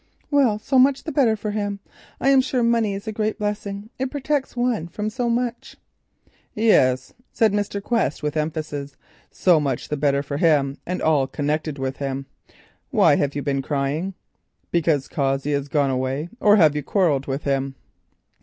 "Well, so much the better for him. I am sure money is a great blessing. It protects one from so much." "Yes," said Mr. Quest with emphasis, "so much the better for him, and all connected with him. Why have you been crying? Because Cossey has gone away—or have you quarrelled with him?"